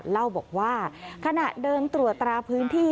เล่าบอกว่าขณะเดินตรวจตราพื้นที่